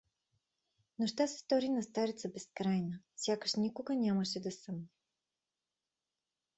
Нощта се стори на стареца безкрайна, сякаш никога нямаше да се съмне.